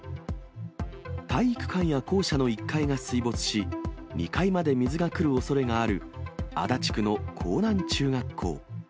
体育館や校舎の１階が水没し、２階まで水が来るおそれがある足立区の江南中学校。